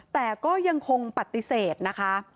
แต่ก็ยังคงปฏิเสธนะคะ